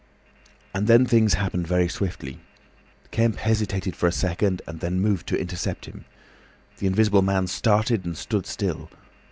And then things happened very swiftly. Kemp hesitated for a second and then moved to intercept him. The Invisible Man started and stood still.